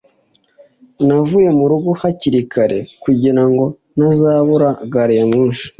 Navuye mu rugo hakiri kare kugira ngo ntazabura gari ya moshi